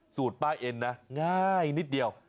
ป้าเอ็นนะง่ายนิดเดียว